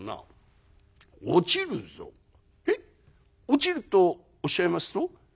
落ちるとおっしゃいますと？」。